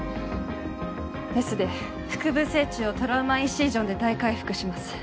メスで腹部正中をトラウマインシージョンで大開腹します